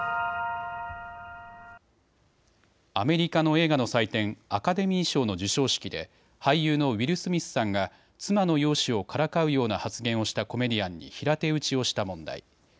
アメリカの映画の祭典、アカデミー賞の授賞式で俳優のウィル・スミスさんが妻の容姿をからかうような発言をしたコメディアンに平手打ちをした問題。